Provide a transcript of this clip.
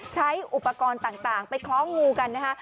ใช้อุปกรณ์ต่างไปคล้องงูกันนะคะ